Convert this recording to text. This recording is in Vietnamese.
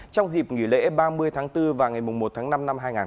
trong dịp nghỉ lễ ba mươi tháng bốn và ngày một tháng năm năm hai nghìn một mươi chín